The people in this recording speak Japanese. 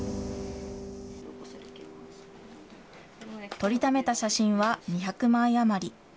撮りためた写真は２００枚余り。